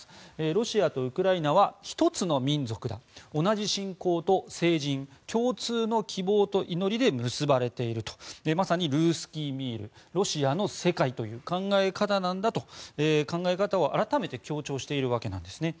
ロシアとウクライナは１つの民族だ同じ信仰と聖人共通の希望と祈りで結ばれているとまさにルースキー・ミールロシアの世界という考え方なんだという考え方を改めて強調しているんですね。